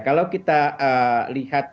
kalau kita lihat